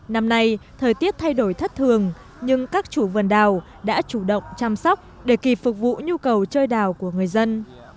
năm nay thời tiết thay đổi thất thường nhưng các chủ vườn đào đã chủ động chăm sóc để kịp phục vụ nhu cầu chơi đào của người dân